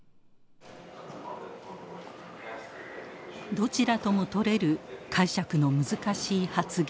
どちらとも取れる解釈の難しい発言。